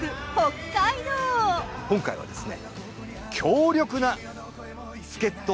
今回はですね。